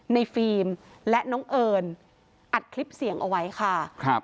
ฟิล์มและน้องเอิญอัดคลิปเสียงเอาไว้ค่ะ